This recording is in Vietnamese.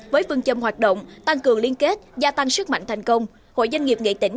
với phương châm hoạt động tăng cường liên kết gia tăng sức mạnh thành công hội doanh nghiệp nghệ tĩnh